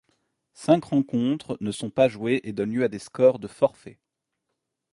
Cinq rencontres ne sont pas jouées et donnent lieu à des scores de forfait.